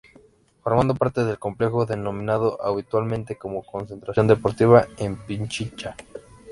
Formando parte del Complejo denominado habitualmente como Concentración Deportiva de Pichincha.